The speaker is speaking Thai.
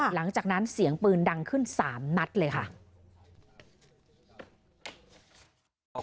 หลังจากนั้นเสียงปืนดังขึ้น๓นัดเลยค่ะ